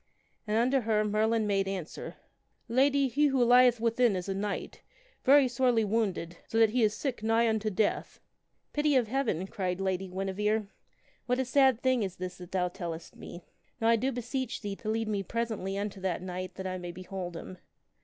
And unto her Merlin made answer, " Lady, he who lieth within is a knight, very sorely wounded, so that he is sick nigh unto death !"" Pity of Heaven !" cried the Lady Guinevere. " What a sad thing is this that thou tellest me ! Now I do beseech thee to lead me presently unto that knight that I may behold him.